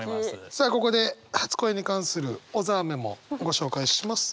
さあここで初恋に関する小沢メモご紹介します。